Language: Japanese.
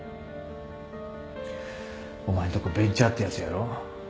お前んとこベンチャーってやつやろ？